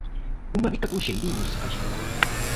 Uma bica com cheirinho, se faz favor.